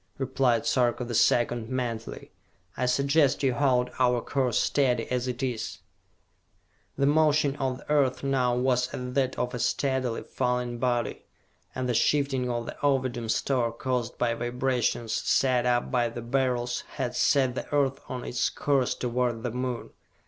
replied Sarka the Second, mentally. "I suggest you hold our course steady as it is!" The motion of the earth now was as that of a steadily falling body, and the shifting of the Ovidum store caused by vibrations set up by the Beryls had set the Earth on its course toward the Moon.